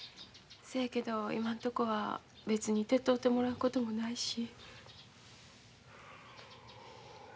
そやけど今のとこは別に手伝うてもらうこともないし。